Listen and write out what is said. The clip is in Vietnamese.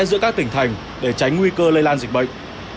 giữa các tỉnh thành để tránh nguy cơ lây lan dịch bệnh